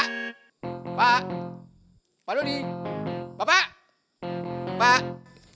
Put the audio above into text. pak pak pak lodi bapak pak